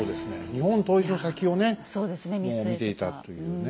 日本統一の先をね見ていたというね。